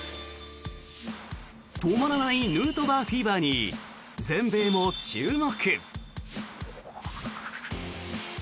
止まらないヌートバーフィーバーに全米も注目。